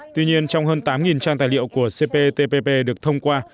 tuy nhiên trong hơn tám trang tài liệu của cptpp được thông qua